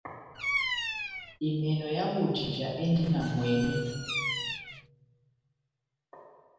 Emènò ya bojija endi na mwɛmi.